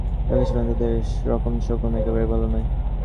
যে-সব যুবতী দাসী তাঁর কাছে রেখেছিলেন তাদের রকম-সকম একেবারেই ভালো নয়।